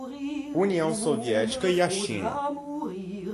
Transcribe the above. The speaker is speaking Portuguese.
União Soviética e a China